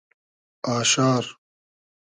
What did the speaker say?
آشار